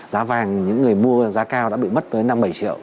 giá vàng những người mua giá cao đã bị mất tới năm bảy triệu